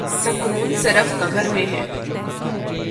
سکون صرف قبر میں ہے